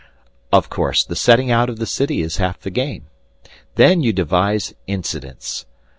Of course the setting out of the city is half the game. Then you devise incidents.